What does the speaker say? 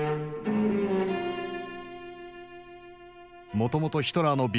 もともとヒトラーの鼻